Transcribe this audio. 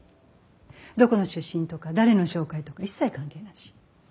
どこの出身とか誰の紹介とか一切関係なし。